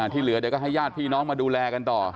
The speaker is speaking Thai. ที่เหลือเดี๋ยวก็ให้ญาติพี่น้องมาดูแลกันต่อ